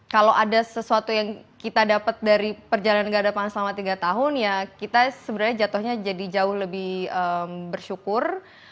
kalau ada sesuatu yang kita dapat dari perjalanan gak ada pangan selama tiga tahun ya kita sebenarnya jatuhnya jadi jauh lebih bersyukur